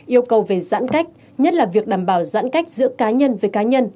yêu cầu về giãn cách nhất là việc đảm bảo giãn cách giữa cá nhân với cá nhân